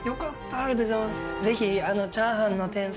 ありがとうございます。